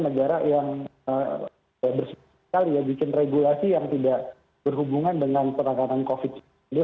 sehingga negara yang bersifat yang tidak berhubungan dengan penanganan covid sembilan belas gitu